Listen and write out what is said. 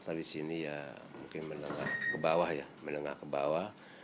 kalau di sini ya mungkin menengah ke bawah ya menengah ke bawah